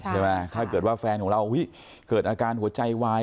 ถ้าเกิดว่าแฟนของเราเกิดอาการหัวใจวาย